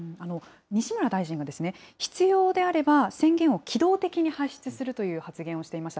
西村大臣は、必要であれば、宣言を機動的に発出するという発言をしていました。